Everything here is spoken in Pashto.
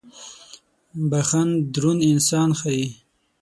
• بخښن دروند انسان ښيي.